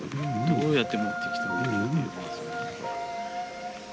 どうやって持ってきたんだろう。